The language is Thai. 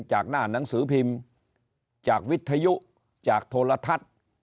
จากหน้าหนังสือพิมพ์จากวิทยุจากโทรทัศน์